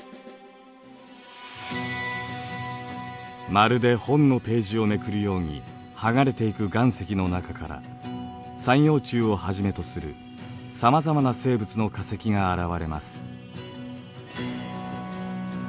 まるで本のページをめくるように剥がれていく岩石の中から三葉虫をはじめとするさまざまな生物の化石が現れます。